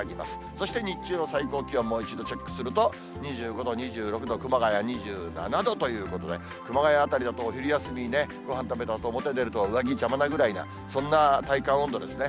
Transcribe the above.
そして日中の最高気温、もう一度チェックすると、２５度、２６度、熊谷２７度ということで、熊谷辺りだと、お昼休みね、ごはん食べたあと、表出ると、上着邪魔なぐらいな、そんな体感温度ですね。